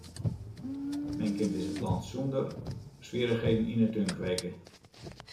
Men kin dizze plant sonder swierrichheden yn 'e tún kweke.